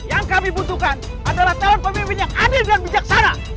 yang kami butuhkan adalah calon pemimpin yang adil dan bijaksana